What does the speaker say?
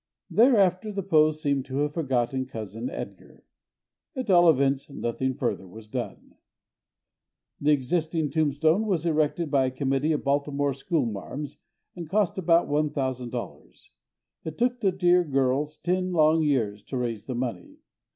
Thereafter the Poes seem to have forgotten Cousin Edgar; at all events, nothing further was done. The existing tombstone was erected by a committee of Baltimore schoolmarms, and cost about $1,000. It took the dear girls ten long years to raise the money.